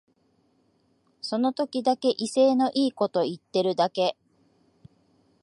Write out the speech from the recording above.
その時だけ威勢のいいこと言ってるだけ